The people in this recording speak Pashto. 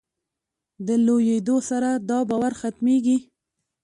د لویېدو سره دا باور ختمېږي.